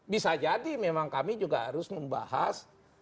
bisa jadi memang kami juga harus membahas